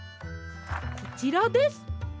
こちらです。